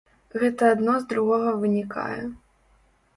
Гэта адно з другога вынікае.